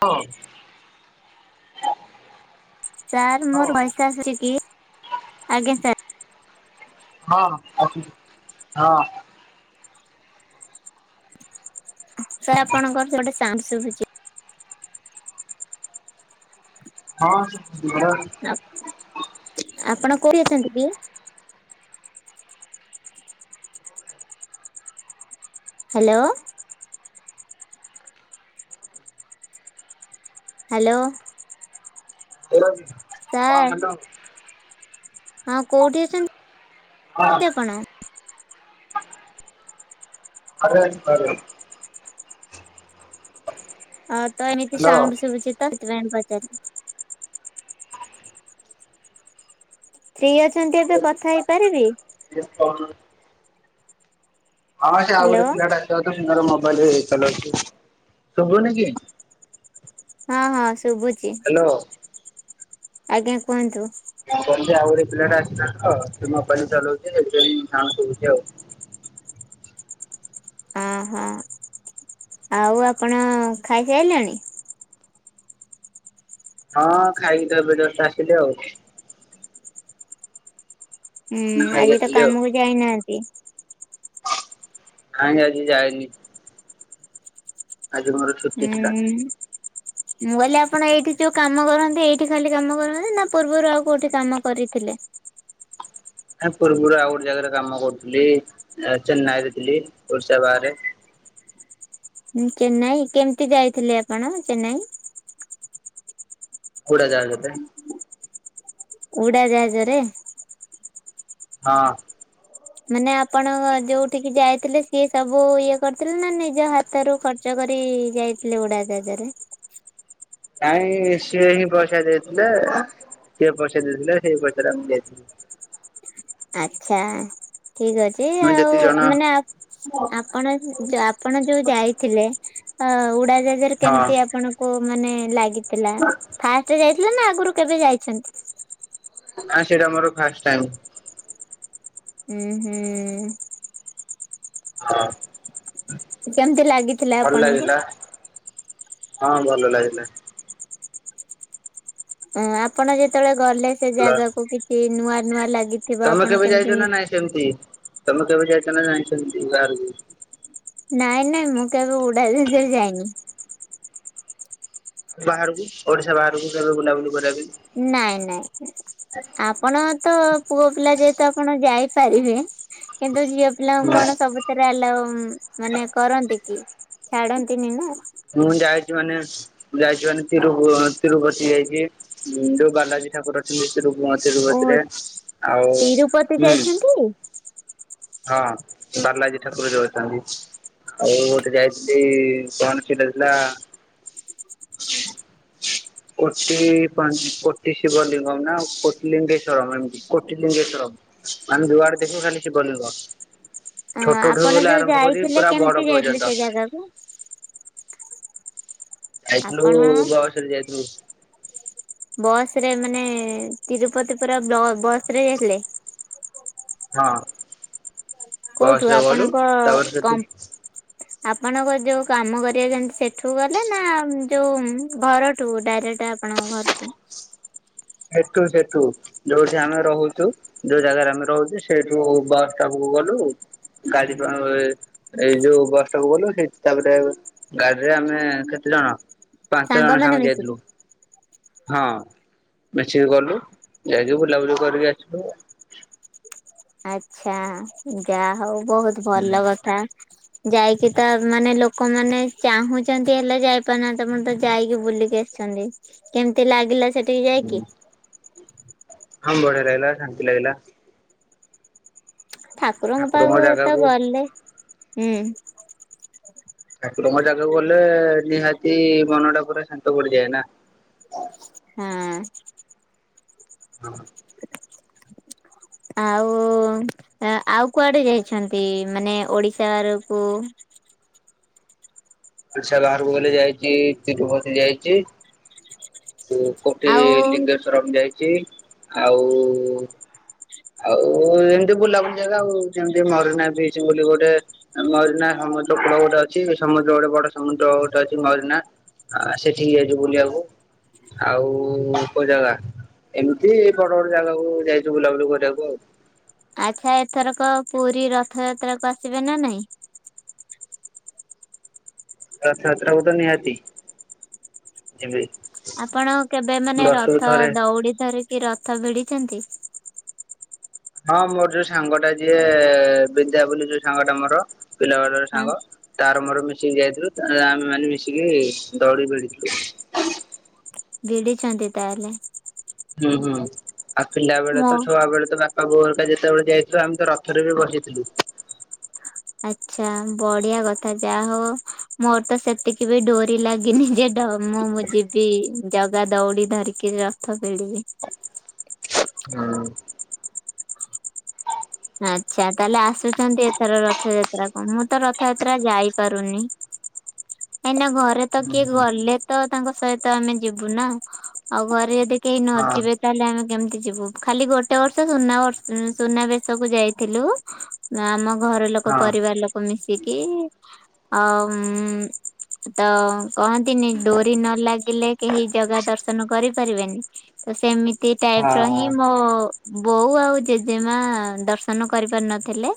ହଁ। ସାର୍ ହଁ ମୋର ପଇସା ଆସୁଛି କି? ଆଜ୍ଞା ସାର୍। ହଁ, ଆସୁଚି। ହଁ। ସାର୍ ଆପଣଙ୍କର ଗୋଟେ ସାମ୍ [unintelligible] ଅଛି। ହଁ, ସିଏ ଘରେ ଅଛି। ନା। ଆପଣ କୋଉଠି ଅଛନ୍ତି କି? ହ୍ୟାଲୋ। ହ୍ୟାଲୋ। ହାଲୋ କି ସାର୍, ହଁ କୋଉଠି ଅଛନ୍ତି? ହଁ। ଆପଣ? ଆରେ, ଆରେ ହଁ ତ ଏଣିକି ହ୍ୟାଲୋ। ହଁ ସାଉଣ୍ଡ ଶୁଭୁଛି ତ ସେଥିପାଇଁ ମୁଁ ପଚାରୁଚି। ଫ୍ରି ଅଛନ୍ତି ଏବେ କଥା ହେଇପାରିବି? [unintelligible] ହଁ, ସେ ଆଉ ହ୍ୟାଲୋ ଗୋଟିଏ ପିଲାଟା ଆସିବା ତ, ଦିନର ମୋବାଇଲ ଚଲଉଛି। ଶୁଭୁନି କି? ହଁ ହଁ ଶୁଭୁଛି, ହ୍ୟାଲୋ ଆଜ୍ଞା କୁହନ୍ତୁ। ମୁଁ କହୁଛି ଆଉ ଗୋଟେ ପିଲାଟା ଆସିଲା ତ, ସେ ମୋବାଇଲ ଚଲଉଛି ସେଥିପାଇଁ ସାଉଣ୍ଡ ଶୁଭୁଛି ଆଉ। ଅଁ ହଁ। ଆଉ ଆପଣ ଖାଇସାଇଲେଣି? ହଁ, ଖାଇକି ତ ଏବେ ଜଷ୍ଟ ଆସିଲି ଆଉ। ହୁଁ, ଖାଇକି ଆଜି ତ ଆସିଲି ଆଉ। କାମକୁ ଯାଇନାହାଁନ୍ତି? ନାଇଁ ଆଜି ଯାଇନି। ଆଜି ମୋର ଛୁଟି ଥିଲା। ହୁଁ। ମୁଁ କହିଲି ଆପଣ ଏଇଠି ଯୋଉ କାମ କରନ୍ତି, ଏଇଠି ଖାଲି କାମ କରନ୍ତି ନା, ପୂର୍ବରୁ ଆଉ କୋଉଠି କାମ କରିଥିଲେ? ନା, ପୂର୍ବରୁ ଆଉ ଗୋଟେ ଜାଗାରେ କାମ କରୁଥିଲି। ଆ ଚେନ୍ନାଇରେ ଥିଲି, ଓଡିଶା ବାହାରେ। ଚେନ୍ନାଇ, କେମତି ଯାଇଥିଲେ ଆପଣ ଚେନ୍ନାଇ? ଉଡ଼ାଜାହାଜରେ। ଉଡାଜାହାଜରେ? ହଁ। ମାନେ ଆପଣଙ୍କ ଯୋଉଠି କି ଯାଇଥିଲେ ସିଏ ସବୁ ଇଏ କରିଥିଲେ ନା ନିଜ ହା ତ ରୁ ଖର୍ଚ୍ଚ କରି ଯାଇଥିଲେ ଉଡା ଜାହାଜରେ। ନାଇଁ ସିଏ ହିଁ ପଇସା ଦେଇଥିଲେ ସିଏ ପଇସା ଦେଇଥିଲେ ସେଇ ପଇସା ଆମେ ଯାଇ ଥିଲୁ। ଆଛା ଠିକ ଅଛି ଆମେ ଆଉ ଯେତିକି ଜଣ ମାନେ ଆପ୍ ଆପଣ ଯା ଆପ୍। ଆପଣ ଯୋଉ ଯାଇଥିଲେ ଅଁ ଉଡାଜାହାଜରେ ହଁ କେମିତି ଆପଣଙ୍କୁ ମାନେ ଲାଗି ଥିଲା ଫାଷ୍ଟ ଯାଇଥିଲା ନା ଆଗରୁ କେବେ ଯାଇଛନ୍ତି। ନାଁ ସେଇଟା ମୋର ଫାଷ୍ଟ ଟାଇମ୍। ଉଁ ହୁଁ। ହଁ। କେମତି ଲାଗିଥିଲା ଭଲ ଆପଣଙ୍କୁ। ଲାଗିଲା ହଁ ଭଲ ଲାଗିଥୀଲା। ହଁ ଆପଣ ଯେତେବେଳେ ଗଲେ ସେ ଭଲ ଜାଗାକୁ କିଛି ନୂଆ ନୂଆ ଲାଗି। ତମେ କେବେ ଯାଇଛ ନା ନାଇଁ ସେମିତି ତମେ କେବେ ଯାଇଛ ନା ନାଇଁ ସେମିତି ବାହାରୁକୁ। ନାଇଁ ନାଇଁ ମୁଁ କେବେ ଉଡାଜାହାଜ ରେ ଯାଇନି। ବାହାରକୁ ଓଡିଶା ବାହାରକୁ କେବେ ବୁଲାବୁଲି କରିବା ପାଇଁ। ନାଇଁ ନାଇଁ ନାଇ ଆପଣ ତ ପୁଅ ପିଲା ଯେହେତୁ ଆପଣ ଯାଇ ପାରିବେ। କିନ୍ତୁ ଝିଅ ପିଲାଙ୍କୁ ପାଇଁ? କଣ ସବୁ। ଥେରେ ଆଲାଭ ମାନେ କରନ୍ତି କି ଛାଡନ୍ତିନି ନା। ମୁଁ ଯାଇଛି ମାନେ। ମୁଁ ଯାଇଛି ମାନେ ତିରୁ ତିରୁପତି ଯାଇଛି ଯୋଉ ବାଲାଜୀ ଠାକୁର ଅଛନ୍ତି। ତିରୁ ମ ତିରୁ ପତି ଓହୋ ରେ ଆଉ ତିରୁପତି ହୁଁ। ଯାଇଛନ୍ତି? ହଁ ବାଲାଜୀ ଠାକୁର ଛୋଉ ଅଛନ୍ତି। ଆଉ ଗୋଟେ ଯାଇଥିଲି କଣ ସେଇଟା ଥିଲା। ହ କୋଟି ପଞ୍ଚ୍ କୋଟି ଶିବ ଲଙ୍ଗମ୍ ନା କୋଟି ଲିଙ୍ଗେଶ୍ଵରମ୍ ଏମତି କୋଟି ଲିଙ୍ଗେଶ୍ଵରମ୍। ମାନେ ଯୁଆଡେ ଦେଖିବ ଖାଲି ଶିବଲିଙ୍ଗ। ଆ ଛୋଟ ଠୁ ଆପଣ ବୋଇଲେ ଆରମ୍ଭ କରିବି ପୁରା ବଡ ପର୍ଯ୍ୟନ୍ତ। ସେଠୁ। ଯାଇଥିଲୁ ଆପଣ ବସରେ ଯାଇଥିଲୁ। ବସ୍ ରେ ମାନେ ତିରୁପତି ପୁରା ବ୍ଲ ବସ୍ ରେ ଯାଇଥିଲେ? ହଁ କୋଉଠୁ ବସ ରେ ଗଲୁ ଆପଣଙ୍କ ତାପରେ ସେଠୁ। ଆପଣଙ୍କ ଯୋଉ କାମ କରିବା ଯାଆନ୍ତି ସେଠୁ ଗଲେ ନା ଯୋଉ ଘରଠୁ ଡାଇରେକ୍ଟ ଆ ଆପଣ ଙ୍କ ଘରଠୁ। ସେଠୁ ସେଠୁ। ଯୋଉଠି ଆମେ ରହୁଛୁ ଯୋଉ ଜାଗାରେ ଆମେ ରହୁଛୁ ସେଇଠୁ ବସ ଷ୍ଟପକୁ ଗଲୁ। ଗାଡି ପାଁ ଏ ଏଇ ଯୋଉ ବସ ଷ୍ଟପ୍ ଗଲୁ ସେଇଠୁ ତାପରେ ଗାଡିରେ ଆମେ କେତେ ଜଣ। ପାଞ୍ଚ ଜଣ ସାଙ୍ଗମାନେ ସାଙ୍ଗ ମିଶିକି ଯାଇଥିଲୁ ହଁ। ମିଶିକି ଗଲୁ ଯାଇକି ବୁଲାବୁଲି କରିକି ଆସିଲୁ। ଆଛା ଯା ହଉ ବହୁତ ଭଲ କଥା। ଯାଇକି ତ ମାନେ ଲୋକମାନେ ଚାହୁଁଛନ୍ତି ହେଲେ ଯାଇପାରୁନାହାନ୍ତି ତମେତ ଯାଇକି ବୁଲିକି ଆସିଛନ୍ତି। କେମତି ଲାଗିଲା ସେଠିକି ଯାଇକି। ହଁ ବଢିଆ ଲଗିଲା ଶାନ୍ତି ଲାଗିଲା। ଠାକୁରଙ୍କ ପାଖକୁ ତ ଗଲେ ହୁଁ। ଠାକୁରଙ୍କ ଜାଗାକୁ ଗଲେ ନିହାତି ମନ ଟା ପୁରା ଶାନ୍ତ ପଡିଯାଏ ନା। ହଁ। ହଁ। [unintelligible] ଆଉ ଆଉ କୁଆଡେ ଯାଇଛନ୍ତି ମାନେ ଓଡିଶାଆରକୁ ଓଡ଼ିଶା ବାହାରକୁ ଗଲେ ଯାଇଚି ତିରୁପତି ଯାଇଚି। କୋଟି ଆଉ ଲିଙ୍ଗେଶ୍ଵରମ୍ ଯାଇଛି ଆଉ ଆଉ ଏମତି ବୁଲାବୁଲି ଜାଗା ଆଉ ଯେମତି ମରିନା ବିଚ୍ ବୋଲି ଗୋଟେ ମରିନା ସମୁଦ୍ର କୂଳ ଗୋଟେ ଅଛି ସମୁଦ୍ର ଗୋଟେ ବଡ ସମୁଦ୍ର ଗୋଟେ ଅଛି ମରିନା। ହଁ ସେଠିକି ଯାଇଛୁ ବୁଲିବାକୁ। ଆଉ କୋଉ ଜାଗା ଏମିତି ବଡ ବଡ ଜାଗାକୁ ଯାଇଚୁ ବୁଲାବୁଲି କରି ଉ [unintelligible] ଆଚ୍ଛା ଏଥରକ ପୁରୀ ରଥଯାତ୍ରାକୁ ଆସିବେ ନା ନାଇଁ? ରଥ ଯାତ୍ରାକୁ ତ ନିହାତି। [unintelligible] ଆପଣ କେବେ ମାନେ ବର୍ଷକୁ ରଥ ଥରେ। ଦଉଡି ଧରିକି ରଥ ଭିଡିଛନ୍ତି? ହଁ ମୋର ଯୋଉ ସାଙ୍ଗ ଟା ଯିଏ ବିଦ୍ୟା ବୋଲି ଯୋଉ ସାଙ୍ଗ ଟା ମୋର ପିଲା ବେଳର ହଁ ସାଙ୍ଗ। ତାର ମର ମିଶିକି ଯାଇଥିଲୁ ଆମେ ମାନେ ମିଶିକି ଦଉଡି ଭିଡିଥିଲୁ। ଭିଡିଛନ୍ତି ତାହେଲେ? ହୁଁ ହୁଁ ଆଉ ପିଲା ବେଳେ ମୋ ତ ଛୁଆ ବେଳେ ତ ବା ପା ବୋଉ ହେରିକା ଯେତେବେଳେ ଯାଇଥିଲୁ ଆମେ ତ ରଥରେ ବି ବସିଥିଲୁ। ଆଚ୍ଛା ବଢିଆ କଥା ଯାହା ହଉ ମର ତ ସେତିକି ବି ଡୋରି ଲାଗିନି ଯେ ମୁଁ ଯିବି ଜଗା ଦଉଡି ଧରିକି ରଥ ଭିଡ଼ିବି। ହୁଁ। ଆଚ୍ଛା ତାହେଲେ ଆସୁଛନ୍ତି ଏଥର ରଥଯାତ୍ରା କଣ ମୁଁ ତ ରଥଯାତ୍ରା ଯାଇପାରୁନି। ଏଇନା ଘରେ ତ ହୁଁ ହୁଁ କିଏ ହୁଁ ଗଲେ ତ ତାଙ୍କ ସହିତ ଆମେ ଯିବୁ ନା ଆଉ ଘରେ ଯଦି କେହି ହଁ ନଯିବେ ତାହେଲେ ଆମେ କେମତି ଯିବୁ ଖାଲି ଗୋଟେ ବର୍ଷ ସୁନାବର୍ଷ ସୁନାବେଶକୁ ଯାଇଥିଲୁ। ଆମ ଘର ଲୋକ ହଁ ପରିବାର ଲୋକ ମିଶିକି ଆ ତ କହନ୍ତିନି ଡୋରି ନ ଲାଗିଲେ କେହି ଜାଗା ଦର୍ଶନ କରିପାରିବେନି। ତ ସେମିତି ଟାଇପ୍ ର ହିଁ ମୋ ହଁ ବୋଉ ଆଉ ଜେଜେମା ଦର୍ଶନ କରିପାର ନଥିଲେ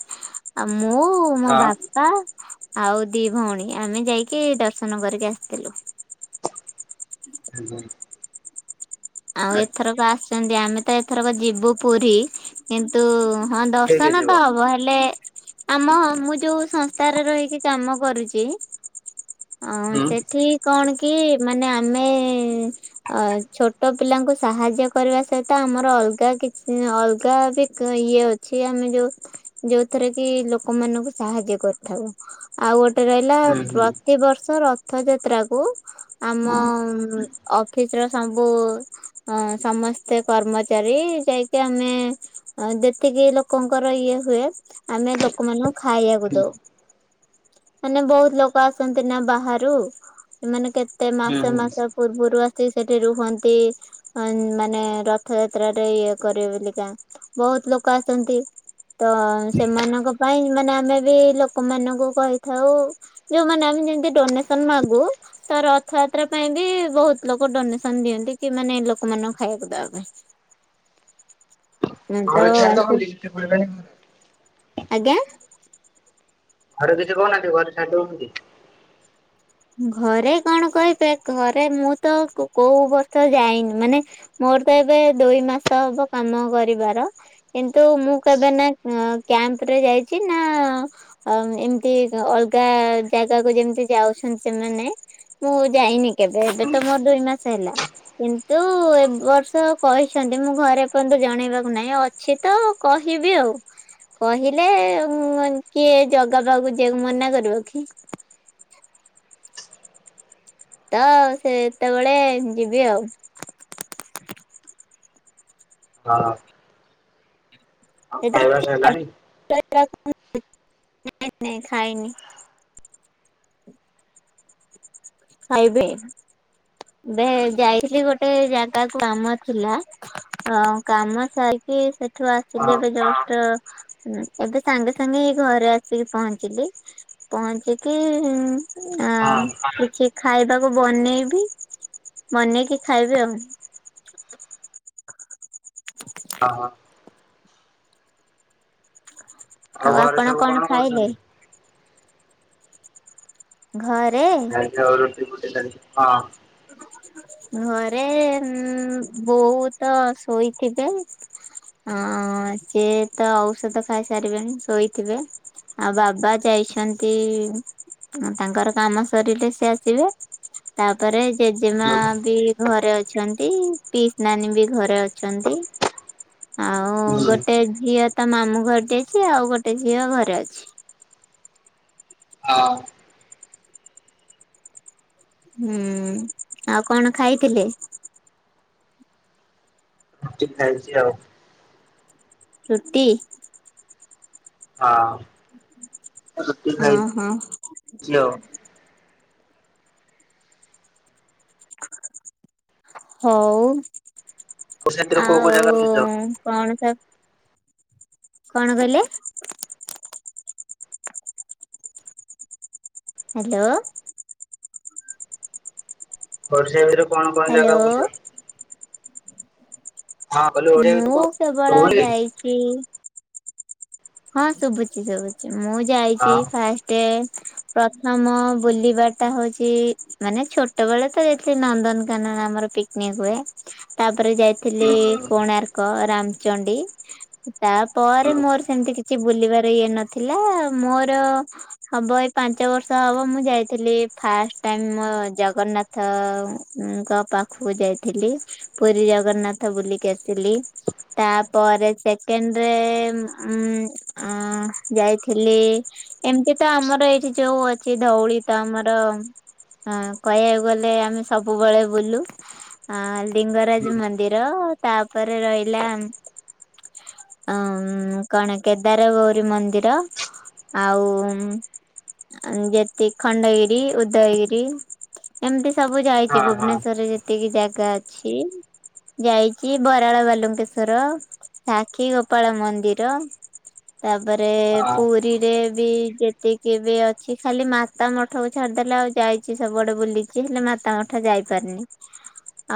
ଆଉ ମୁଁ ହଁ ମୋ ହଁ। ବା ପା ଆଉ ଦି ଭଉଣୀ ଆମେ ଯାଇକି ଦର୍ଶନ କରିକି ଆସିଥିଲୁ। [inaudible] ଆଉ ଆଚ୍ଛା ଏଥରକ ଆସିଛନ୍ତି ଆମେ ତ ଏଥରକ ଯିବୁ ପୁରୀ। କିନ୍ତୁ ହଁ କିଏ କିଏ ଦର୍ଶନ ଯିବ ତ ହବ ହେଲେ ଆମ ମୁଁ ଯୋଉ ସଂସ୍ଥାରେ ରହିକି କାମ କରୁଚି। ଅ ହୁଁ ହୁଁ ହୁଁ। ସେଠି କଣ କି ମାନେ ଆମେ ଅ ଛୋ ଛୋଟ ପିଲାଙ୍କୁ ସାହାଯ୍ୟ କରିବା ସହିତ ଆମର ଅଲଗା କିଛି ଅଲଗା ବି ଇଏ ଅ ଛି ଆମେ ଯୋଉ ଯୋଉଥିରେ କି ଲୋକମାନାନଙ୍କୁ ସାହାଯ୍ୟ କରିଥାଉ। ଆଉ ଗୋଟେ ରହିଲା ପ୍ରତିିବର୍ଷ ର ରଥଯାତ୍ରାକୁ ଆମ ଅଫିସ୍ ର ସବୁ ଅ ସମସ୍ତେ କର୍ମଚାରୀ ଯାଇକି ଆମେ ଯେତିକି ଲୋକଙ୍କର ଇଏ ହୁଏ ଆମେ ଲୋକମାନଙ୍କୁ ଖାଇବାକୁ ଦଉ। ମାନେ ବହୁତ ଲୋକ ଆସନ୍ତି ନା ବାହାରୁ ସେମାନେ କେ ତେ ହୁଁ ମାସ ହୁଁ ମାସ ପୂର୍ବରୁ ଆସି ସେଠି ରୁହନ୍ତି। ଅ ମାନେ ରଥଯାତ୍ରାରେ ଇଏ କରିବେ ବୋଲିକା ବହୁତ ଲୋକ ଆସନ୍ତି। ତ ସେମାନଙ୍କ ପାଇଁ ମାନେ ଆମେ ବି ଲୋକମାନଙ୍କୁ କହିଥାଉ ଯୋଉ ମାନେ ଆମେ ଯେମତି ଡୋନେସନ ମାଗୁ ତ ରଥଯାତ୍ରା ପାଇଁ ବି ବହୁତ ଲୋକ ଡୋନେସନ ଦିଅନ୍ତି। କି ମାନେ ଲୋକମାନଙ୍କୁ ଖାଇବାକୁ ଦବା ପାଇଁ। ତ ଘରେ ଛାଡିଦ [unintelligible] ପୁରେଇବେନି। ଆଜ୍ଞା। ଘରେ କିଛି କହୁନାହାନ୍ତି ଘରେ ଛାଡି଼ ଦେଉଚନ୍ତି? ଘରେ କଣ କହିବେ ଘରେ ମୁଁ ତ କୋ କୋଉ ବର୍ଷ ଯାଇନି ମାନେ ମୋର ତ ଏବେ ଦୁଇ ମାସ ହବ କାମ କରିବାର। କିନ୍ତୁ ମୁଁ କେବେ ନା କ୍ୟାମ୍ପ ରେ ଯାଇଛି ନା ଅ ଏମିତି ଅଲଗା ଜାଗାକୁ ଯେମିତି ଯାଉଛନ୍ତି ସେମାନେ। ମୁଁ ଯାଇନି କେବେ ଏବେ ତ ମୋର ଦୁଇ ମାସ ହେଲା। କିନ୍ତୁ ଏ ବର୍ଷ କହିଛନ୍ତି ମୁଁ ଘରେ ଏପର୍ଯ୍ୟନ୍ତ ଜଣେଇବାକୁ ନାଇଁ ଅ ଛିତ କହିବି ଆଉ। କହିଲେ କିଏ ଜଗା ପାଖକୁ ଯିବାକୁ ମନା କରିବ କି? ତ ସେତେବେଳେ ଯିବି ଆଉ। ହଁ। ଆଉ ସେଥିରେ ଖାଇବା କିଛି ସରିଲାଣି [unintelligible] ନାଇଁ ନାଇଁ ଖାଇନି। ଖାଇବେ ଏବେ ଯାଇଥିଲି ଗୋଟେ ଜାଗାକୁ କାମ ଥିଲା। ହଁ କାମ ସାରିକି ସେଠୁ ଆସିଲି ଏବେ ହଁ ଜଷ୍ଟ। ହୁଁ ଏବେ ସାଙ୍ଗେ ସାଙ୍ଗେ ଏଇ ଘରେ ଆସିକି ପହଞ୍ଚିଲି ପହଞ୍ଚିକି ଆ ହଁ ହଁ କିଛି ଖାଇବାକୁ ବନେଇବି ବନେଇକି ଖାଇବି ଆଉ। ଅହୋ। ଆଉ ଘରେ ଆପଣ ସବୁ କଣ ଖାଇଲେ? କରୁଛନ୍ତି? ଘରେ। ଚାଲିଛି ଆଉ ରୁଟି ଫୁଟି ଚାଲିଛି ହଁ। ଘରେ ଉଁ ବୋଉ ତ ଶୋଇଥିବେ। ହଁ ସିଏ ତ ଔଷଧ ଖାଇ ସାରିବେଣି ଶୋଇଥିବେ। ଆଉ ବାବା ଯାଇଛନ୍ତି ତାଙ୍କର କାମ ସରିଲେ ସେ ଆସିବେ। ପରେ ଜେଜେମା ହୁଁ ବି ଘରେ ଅଛନ୍ତି ପିଉସୀ ନାନୀ ବି ଘରେ ଅଛନ୍ତି। ଆଉ ଗୋଟେ ଝିଅ ତା ମାମୁଁ ଘଟି ଅଛି ଆଉ ଗୋଟେ ଝିଅ ଘରେ ଅଛି। ହଁ। ହୁଁ ଆଉ କଣ ଖାଇଥିଲେ? ରୁଟି ଖାଇଚି ଆଉ। ରୁଟି। ହଁ। ରୁଟି ଖାଇଛି ଅଁହଁ। [unintelligible] ହୋଉ ଓଡିଶା ଭିତରେ କୋଉ କୋଉ ଆଉ ଜାଗା ବୁଲିଛ? କଣ ସ କଣ କହିଲେ? ହାଲୋ। ଓଡ଼ିଶା ଭିତରେ କଣ କଣ ଜାଗା ହ୍ୟାଲୋ ବୁଲିବ? ହଁ କହିଲି ଓଡିଆ ଭିତରେ ମୁଁ କଣ କେବଳ ଶୁଭୁନି? ଯାଇକି ହଁ ଶୁଭୁଛି ଶୁଭୁଛି ମୁଁ ଯାଇଛି ହଁ ଫାଷ୍ଟ ଟେ ପ୍ରଥମ ବୁଲିବା ଟା ହଉଛି ମାନେ ଛୋଟ ବେଳେ ତ ଯାଇଥିଲି ନନ୍ଦନକାନନ ଆମର ପିକନିକ ହୁଏ। ତାପରେ ଯାଇ ଥିଲି ହୁଁ କୋଣାର୍କ ରାମଚଣ୍ଡୀ ହୁଁ ତାପରେ ମୋର ଏମିତି କିଛି ବୁଲିବାର ଇଏ ନଥିଲା ମୋର ହବ ଏଇ ପାଞ୍ଚ ବର୍ଷ ହବ ମୁଁ ଯାଇଥିଲି ଫାଷ୍ଟ ଟାଇମ ମୋ ଜଗନ୍ନାଥ ତ ଙ୍କ ପାଖକୁ ଯାଇଥିଲି। ପୁରୀ ଜଗନ୍ନାଥ ବୁଲିକି ଆସିଲି ତାପରେ ସେକେଣ୍ଡରେ ଉଁ ଅଁ ଯାଇଥିଲି ଏମିତି ତ ଆମର ଏଇଠି ଯୋଉ ଅଛି ଧଉଳି ତ ଆମର ହଁ କହିବାକୁ ଗଲେ ଆମେ ସବୁବେଳେ ବୁଲୁ ଆ ହୁଁ ଲିଙ୍ଗରାଜ ମନ୍ଦି ର ତାପରେ ରହିଲା ଅ କଣ କେଦାର ଗୌରୀ ମନ୍ଦିର ଆଉ ଅ ଯେତିକି ଖଣ୍ଡଗିରି, ଉଦ୍ଦୟଗିରି ଏମିତି ସବୁ ଯାଇଛି ହଁ ହଁ ଭୁବନେଶ୍ଵରରେ ଯେତିକି ଜାଗା ଅଛି। ଯାଇଛି ବରାଳ ବାଲୁଙ୍କେଶ୍ଵର, ସାକ୍ଷୀ ଗୋପାଳ ମନ୍ଦି ର ତାପରେ ହଁ ପୁ ରୀରେ ବି ଯେତିକି ବି ଅଛି ଖାଲି ମାତା ମଠକୁ ଛାଡିଦେଲେ ଆଉ ଯାଇଛି ସବୁଆଡେ ବୁଲି ଛି ହେଲେ ମାତା ମଠ ଯାଇପାରିନି।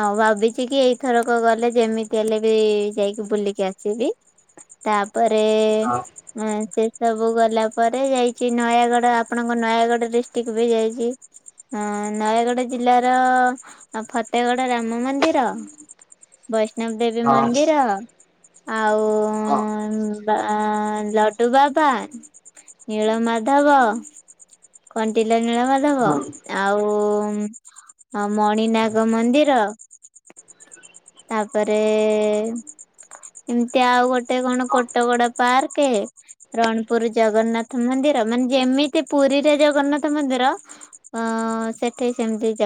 ଆଉ ଭାବିଛି କି ଏଇଥରକ ଗଲେ ଯେମିତି ହେଲେ ବି ଯାଇକି ବୁଲିକି ଆସିବି। ତାପରେ ହଁ ହଁ ସେ ସବୁ ଗଲା ପରେ ଯାଇଛି ନୟାଗଡ ଆପଣଙ୍କ ନୟାଗଡ ଡିଷ୍ଟ୍ରିକ୍ଟ ବି ଯାଇଛି। ହଁ ନୟାଗଡ ଜିଲ୍ଲାର ଫତେଗଡ ରାମ ମନ୍ଦିର। ବୈଷ୍ଣବ ଦେବୀ ହଁ ମନ୍ଦିର ଆଉ ଆ ଲଡୁ ବାବା, ନୀଳ ମାଧବ। କଣ୍ଟିଲ ନୀଳ ମାଧବ ହଁ ଆଉ ମଣିନାଗ ମନ୍ଦିର। ତାପରେ ଏମିତି ଆଉ ଗୋଟେ କଣ ହଁ। କୋଟଗଡ ପାର୍କେ ରଣପୁର ଜଗନ୍ନାଥ ମନ୍ଦିର ମାନେ ଯେମିତି ପୁରୀରେ ଜଗନ୍ନାଥ ମନ୍ଦିର। ଅ ସେଠି ସେମିତି ଜ